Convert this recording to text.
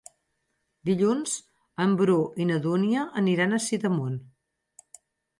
Dilluns en Bru i na Dúnia aniran a Sidamon.